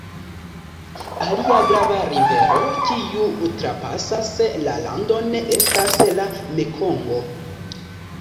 Alia grava rivero kiu trapasas la landon estas la Mekongo.